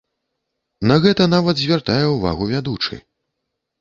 На гэта нават звяртае ўвагу вядучы.